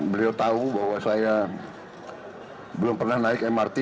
beliau tahu bahwa saya belum pernah naik mrt